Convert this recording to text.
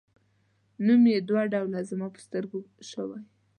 نوم یې دوه ډوله زما په سترګو شوی.